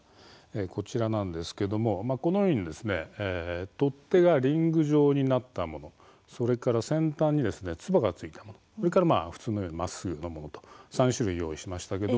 こちらなんですけれどもこのように取っ手がリング状になったもの、それから先端につばがついたものそれから普通にまっすぐなもの３種類用意しました。